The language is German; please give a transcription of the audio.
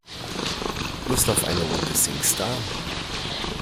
Lust auf eine Runde Singstar?